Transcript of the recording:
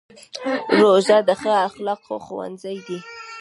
روژه د ښو اخلاقو ښوونځی دی.